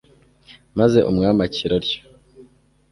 maze umwami akira atyo